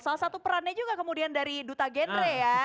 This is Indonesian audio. salah satu perannya juga kemudian dari duta genre ya